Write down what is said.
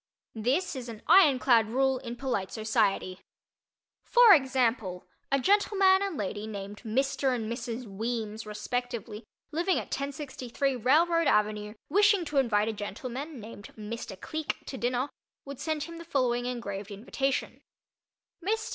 This is an iron clad rule in polite society. For example, a gentleman and lady named Mr. and Mrs. Weems, respectively, living at 1063 Railroad Ave., wishing to invite a gentleman named Mr. Cleek to dinner, would send him the following engraved invitation: MR.